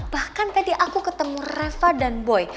bahkan tadi aku ketemu reva dan boy